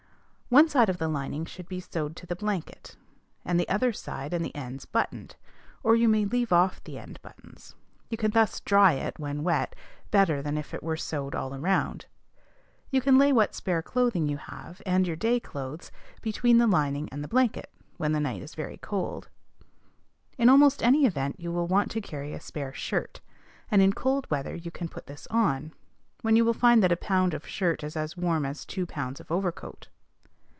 One side of the lining should be sewed to the blanket, and the other side and the ends buttoned; or you may leave off the end buttons. You can thus dry it, when wet, better than if it were sewed all around. You can lay what spare clothing you have, and your day clothes, between the lining and blanket, when the night is very cold. In almost any event, you will want to carry a spare shirt; and in cold weather you can put this on, when you will find that a pound of shirt is as warm as two pounds of overcoat.